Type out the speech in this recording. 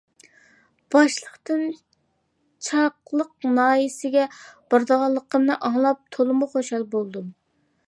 باشلىقتىن چاقىلىق ناھىيەسىگە بارىدىغانلىقىمنى ئاڭلاپ تولىمۇ خۇشال بولدۇم.